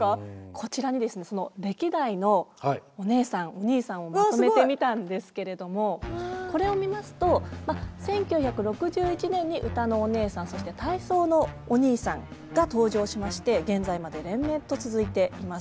こちらにですねその歴代のお姉さんお兄さんをまとめてみたんですけれどもこれを見ますと１９６１年に歌のお姉さんそして体操のお兄さんが登場しまして現在まで連綿と続いています。